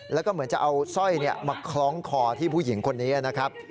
แล้วก็เหมือนจะเอาสร้อยมาคล้องคอที่ผู้หญิงคนนี้นะครับ